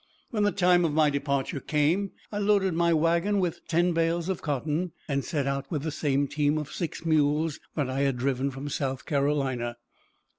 When the time of my departure came, I loaded my wagon with ten bales of cotton, and set out with the same team of six mules that I had driven from South Carolina.